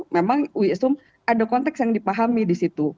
memang ada konteks yang dipahami di situ